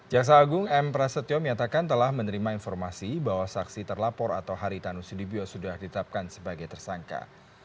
jaksa agung m prasetyo menyatakan telah menerima informasi bahwa saksi terlapor atau haritanu sudibyo sudah ditetapkan sebagai tersangka